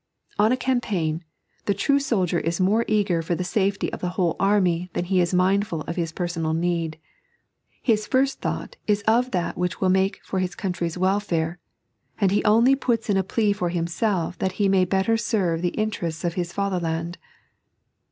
On a campaign, the true soldier is more eager for the safety of the whole army than he is mindful of his personal need ; his first thought is of that which will make for his countty's welfare ; and he only puts in a plea for himself that he may better serve the interests of his father land.